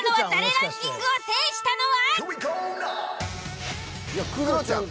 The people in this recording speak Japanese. ランキングを制したのは。